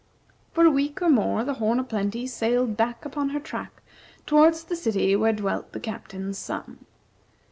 For a week or more the "Horn o' Plenty" sailed back upon her track towards the city where dwelt the Captain's son.